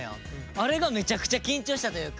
あれがめちゃくちゃ緊張したというか。